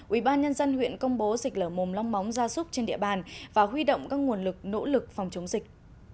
ubnd huyện công bố dịch lở mồm long móng gia súc trên địa bàn và huy động các nguồn lực nỗ lực phòng chống dịch